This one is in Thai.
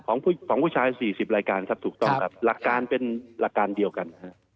ของผู้ชายสี่สิบรายการครับถูกต้องครับหลักการเป็นหลักการเดียวกันฮะ